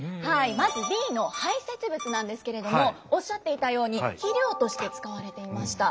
まずＢの排泄物なんですけれどもおっしゃっていたように肥料として使われていました。